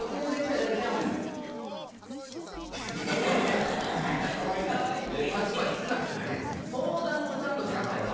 相談をちゃんとしなさい相談を。